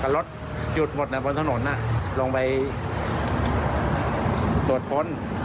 รถหยุดหมดบนถนนลงไปตรวจค้น